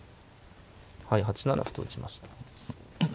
はい８七歩と打ちましたね。